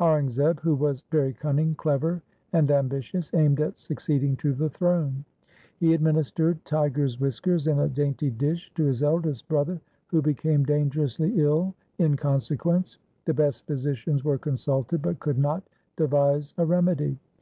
Aurangzeb who was very cunning, clever, and ambitious, aimed at succeeding to the throne. He administered tiger's whiskers in a dainty dish to his eldest brother, who became dangerously ill in consequence. The best physicians were consulted, but could not devise a remedy.